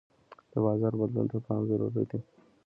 د بازار بدلون ته پام ضروري دی.